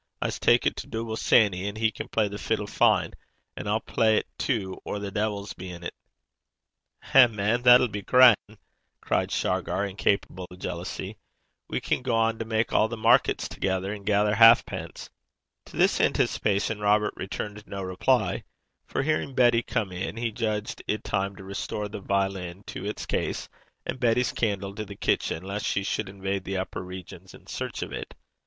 I s' tak' it to Dooble Sanny; he can play the fiddle fine. An' I'll play 't too, or the de'il s' be in't.' 'Eh, man, that 'll be gran'!' cried Shargar, incapable of jealousy. 'We can gang to a' the markets thegither and gaither baubees (halfpence).' To this anticipation Robert returned no reply, for, hearing Betty come in, he judged it time to restore the violin to its case, and Betty's candle to the kitchen, lest she should invade the upper regions in search of it.